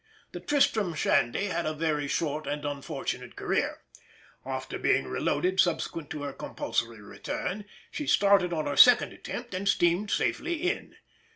The Tristram Shandy had a very short and unfortunate career; after being reloaded subsequent to her compulsory return, she started on her second attempt and steamed safely in.